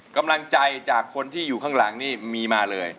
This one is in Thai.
กำลังใจจากคนที่อยู่ข้างหลังนี่มีมาเลย